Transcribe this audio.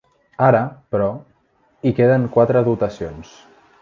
Ara, però, hi queden quatre dotacions.